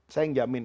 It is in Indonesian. saya yang jamin